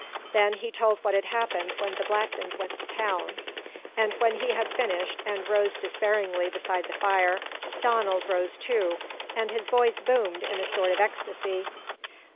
Then he told what had happened when the Blacktons went to town, and when he had finished, and rose despairingly beside the fire, Donald rose, too, and his voice boomed in a sort of ecstasy.